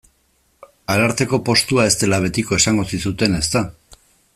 Ararteko postua ez dela betiko esango zizuten, ezta?